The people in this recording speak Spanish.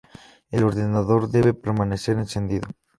El ordenador debe permanecer encendido.